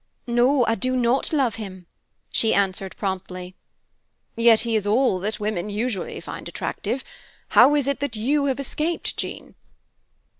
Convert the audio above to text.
"No, I do not love him," she answered promptly. "Yet he is all that women usually find attractive. How is it that you have escaped, Jean?"